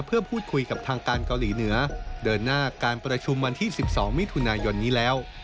เพื่อพูดคุยกับทางการเกาหลีเหนือเดินหน้าการประชุมวันที่๑๒มิถุนายนนี้แล้ว